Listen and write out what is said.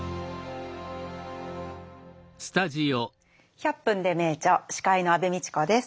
「１００分ｄｅ名著」司会の安部みちこです。